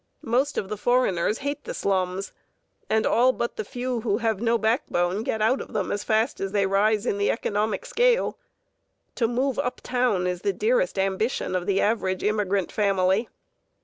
Most of the foreigners hate the slums, and all but the few who have no backbone get out of them as fast as they rise in the economic scale. To "move uptown" is the dearest ambition of the average immigrant family.